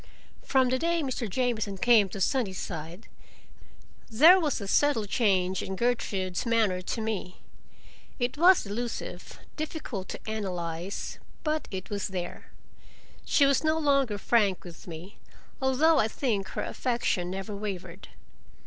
From the day Mr. Jamieson came to Sunnyside there was a subtle change in Gertrude's manner to me. It was elusive, difficult to analyze, but it was there. She was no longer frank with me, although I think her affection never wavered.